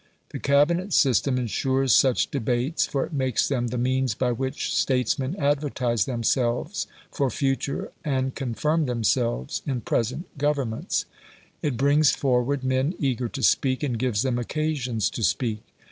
The Cabinet system ensures such debates, for it makes them the means by which statesmen advertise themselves for future and confirm themselves in present Governments. It brings forward men eager to speak, and gives them occasions to speak.